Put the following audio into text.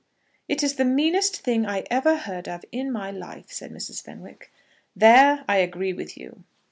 "It is the meanest thing I ever heard of in my life," said Mrs. Fenwick. "There I agree with you."